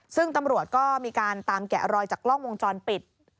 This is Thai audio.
ซึ่งตำรวจก็มีการตามแกะรอยจากกล้องวงจรปิด